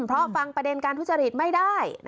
เพราะฟังประเด็นการทุจริตไม่ได้